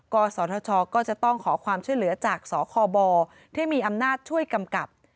กศธชก็จะต้องขอความช่วยเหลือจากสคบที่มีอำนาจช่วยกำกับ